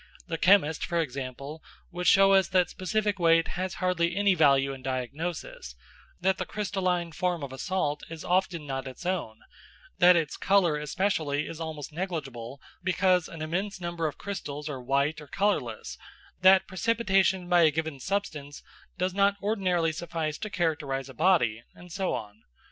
The chemist, for example, would show us that specific weight has hardly any value in diagnosis, that the crystalline form of a salt is often not its own, that its colour especially is almost negligible because an immense number of crystals are white or colourless, that precipitation by a given substance does not ordinarily suffice to characterise a body, and so on.